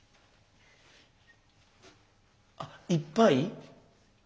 あっいっぱい？